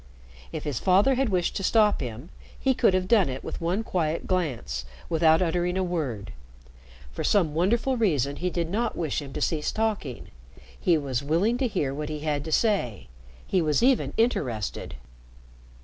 If his father had wished to stop him, he could have done it with one quiet glance, without uttering a word. For some wonderful reason he did not wish him to cease talking. He was willing to hear what he had to say he was even interested.